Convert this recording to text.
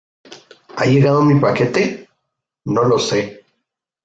¿ Ha llegado mi paquete? No lo sé.